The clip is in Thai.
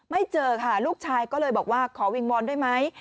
ไม่เจอค่ะลูกชายก็เลยบอกว่าขอวิงวอนด้วยไหม